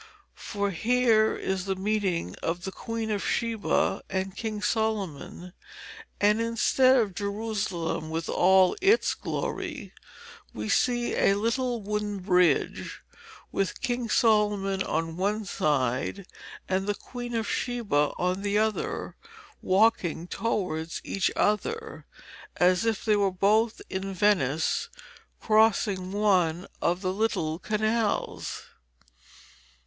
For here is the meeting of the Queen of Sheba and King Solomon, and instead of Jerusalem with all its glory, we see a little wooden bridge, with King Solomon on one side and the Queen of Sheba on the other, walking towards each other, as if they were both in Venice crossing one of the little canals.